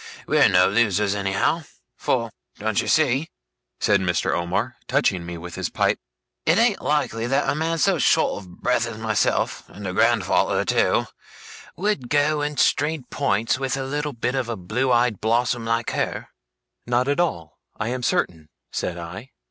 We're no losers, anyhow." For don't you see,' said Mr. Omer, touching me with his pipe, 'it ain't likely that a man so short of breath as myself, and a grandfather too, would go and strain points with a little bit of a blue eyed blossom, like her?' 'Not at all, I am certain,' said I.